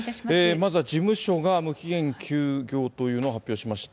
まずは事務所が、無期限休業というのを発表しました。